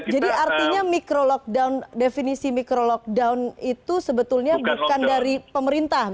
jadi artinya micro lockdown definisi micro lockdown itu sebetulnya bukan dari pemerintah